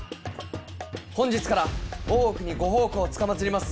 本日から大奥にご奉公つかまつります